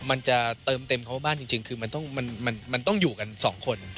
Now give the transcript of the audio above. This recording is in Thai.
มันจะเติมเต็มเขามากจริงคือมันต้องอยู่กันสองคน